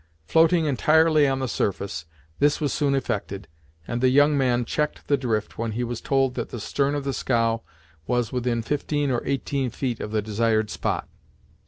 Floating entirely on the surface, this was soon effected, and the young man checked the drift when he was told that the stern of the scow was within fifteen or eighteen feet of the desired spot.